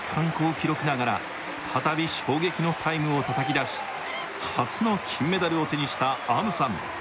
記録ながら再び衝撃のタイムをたたき出し初の金メダルを手にしたアムサン